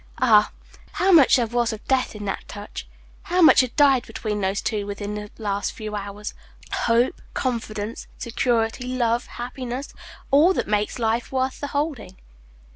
Ah! how much there was of death in that touch! How much had died between those two within the last few hours hope, confidence, security, love, happiness, all that makes life worth the holding.